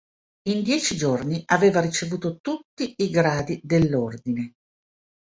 In dieci giorni aveva ricevuto tutti i gradi dell'Ordine.